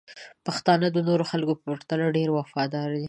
پښتانه د نورو خلکو په پرتله ډیر وفادار دي.